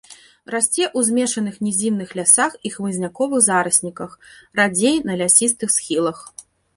Расце ў змешаных нізінных лясах і хмызняковых зарасніках, радзей на лясістых схілах.